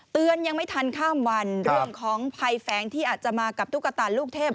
ยังไม่ทันข้ามวันเรื่องของภัยแฝงที่อาจจะมากับตุ๊กตาลูกเทพ